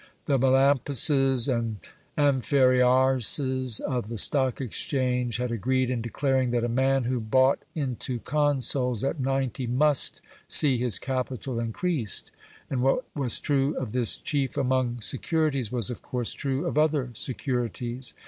The Melampuses and Amphiaräuses of the Stock Exchange had agreed in declaring that a man who bought into consols at 90 must see his capital increased; and what was true of this chief among securities was of course true of other securities.